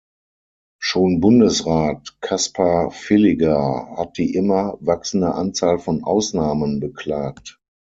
Schon Bundesrat Kaspar Villiger hat die immer wachsende Anzahl von Ausnahmen beklagt.